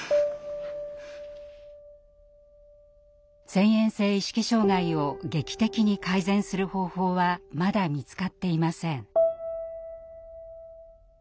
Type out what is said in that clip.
遷延性意識障害を劇的に改善する方法はまだ見つかっていません。